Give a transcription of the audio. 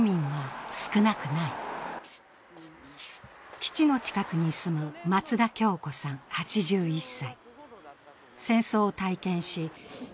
基地の近くに住む松田教子さん８１歳。